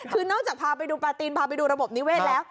คือนอกจากพาไปดูปลาตีนพาไปดูระบบนิเวศแล้ว